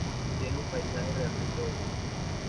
Tiene un paisaje realmente bonito.